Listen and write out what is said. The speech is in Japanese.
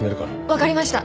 わかりました。